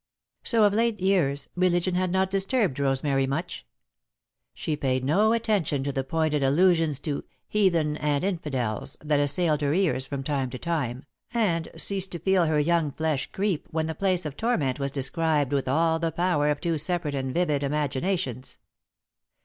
So, of late years, religion had not disturbed Rosemary much. She paid no attention to the pointed allusions to "heathen" and "infidels" that assailed her ears from time to time, and ceased to feel her young flesh creep when the Place of Torment was described with all the power of two separate and vivid imaginations.